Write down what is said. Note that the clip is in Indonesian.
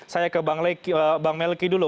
saya ke bang melki dulu